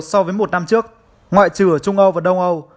so với một năm trước ngoại trừ ở trung âu và đông âu